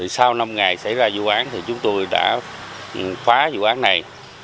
sau năm ngày xảy ra vụ án thì chúng tôi đã phá vụ án này